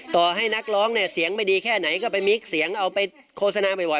ต่อให้นักร้องเนี่ยเสียงไม่ดีแค่ไหนก็ไปมิกเสียงเอาไปโฆษณาบ่อย